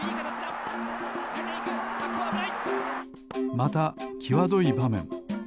またきわどいばめん。